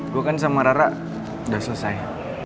gue kan sama rara udah selesai